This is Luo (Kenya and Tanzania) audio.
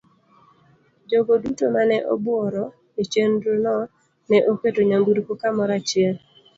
Jogo duto ma ne obworo e chenro no ne oketo nyamburko kamoro achiel.